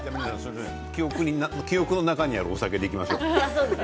記憶の中にあるお酒でいきましょう。